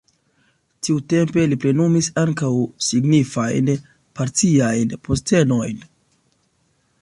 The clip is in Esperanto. Tiutempe li plenumis ankaŭ signifajn partiajn postenojn.